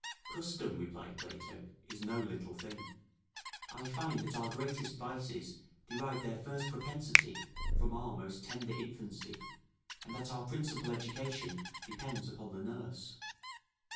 "Custom," replied Plato, "is no little thing." I find that our greatest vices derive their first propensity from our most tender infancy, and that our principal education depends upon the nurse.